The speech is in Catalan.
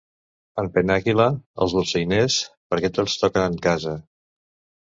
En Penàguila, els dolçainers, perquè tots toquen en casa.